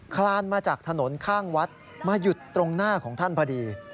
คลานมาจากถนนข้างวัดมาหยุดตรงหน้าของท่านพอดี